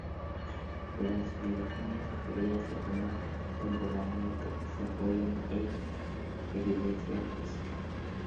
Las filogenias sugeridas se prueban temporalmente, se apoyan en evidencia fósil.